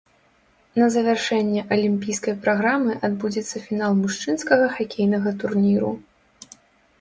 На завяршэнне алімпійскай праграмы адбудзецца фінал мужчынскага хакейнага турніру.